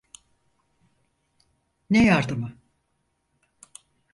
Ne yardımı?